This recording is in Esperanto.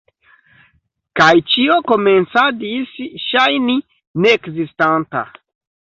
Kaj ĉio komencadis ŝajni neekzistanta.